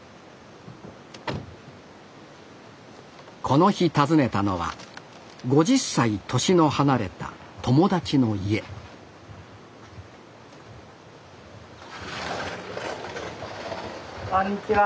この日訪ねたのは５０歳年の離れた友達の家こんにちは。